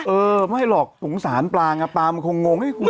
เออไม่หรอกสงสารปลางอ่ะปลามันคงงให้คุณ